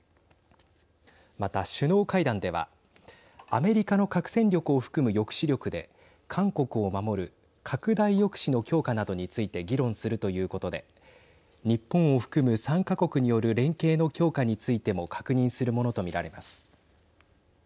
また、首脳会談ではアメリカの核戦力を含む抑止力で韓国を守る拡大抑止の強化などについて議論するということで日本を含む３か国による連携の強化についても確認するものと見られます。